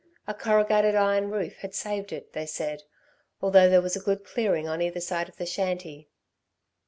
A corrugated iron roof had saved it, they said, although there was a good clearing on either side of the shanty.